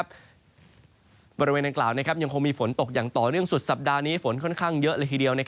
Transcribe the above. บริเวณดังกล่าวยังคงมีฝนตกอย่างต่อเนื่องสุดสัปดาห์นี้ฝนค่อนข้างเยอะเลยทีเดียว